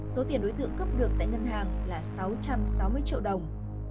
số tiền đối tượng cướp được tại ngân hàng là sáu trăm sáu mươi triệu đồng